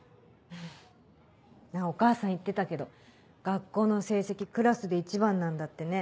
お母さん言ってたけど学校の成績クラスで１番なんだってね。